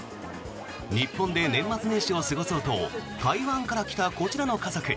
日本で年末年始を過ごそうと台湾から来たこちらの家族。